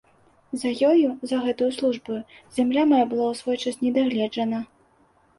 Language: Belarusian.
За ёю, за гэтаю службаю, зямля мая была ў свой час не дагледжана.